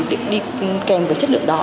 để đi kèm với chất lượng đó